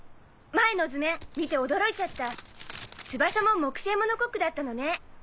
前の図面見て驚いちゃった翼も木製モノコックだったのね。